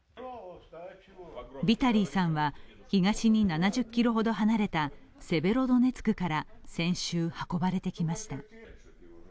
ヴィタリーさんは東に７０ｋｍほど離れたセベロドネツクから先週、運ばれてきました。